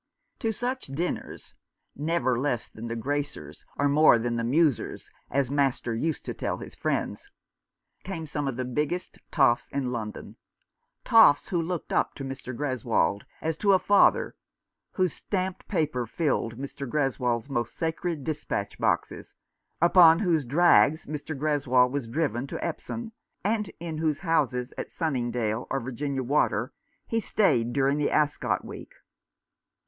To such dinners —" never less than the Gracers or more than the Musers, as master used to tell his friends" — came some of the biggest toffs in London, toffs who looked up to Mr. Greswold as to a father, whose stamped paper filled Mr. Greswold's most sacred despatch boxes, upon whose drags Mr. Greswold was driven to 235 Rough Justice. Epsom, and in whose houses, at Sunningdale or Virginia Water, he stayed during the Ascot week.